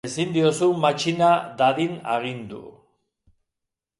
Ezin diozu matxina dadin agindu.